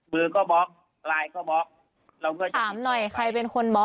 เวลาเราติดต่อคุณไป